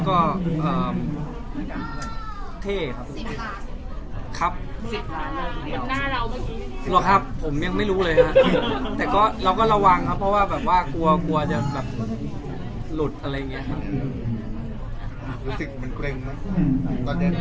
จะกลับไปกันแล้ว